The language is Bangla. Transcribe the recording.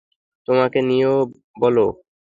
তোমাকে নিয়েও বলো।